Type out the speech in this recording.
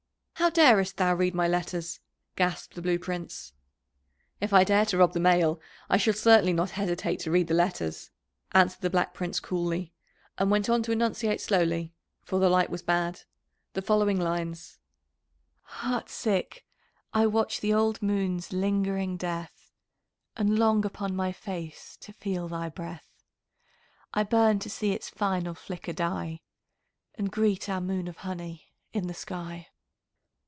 "How darest thou read my letters?" gasped the Blue Prince. "If I dare to rob the mail, I shall certainly not hesitate to read the letters," answered the Black Prince coolly, and went on to enunciate slowly (for the light was bad) the following lines: "Heart sick I watch the old moon's ling'ring death, And long upon my face to feel thy breath; I burn to see its final flicker die, And greet our moon of honey in the sky."